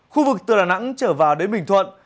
khu vực từ đà nẵng trở vào đến bình thuận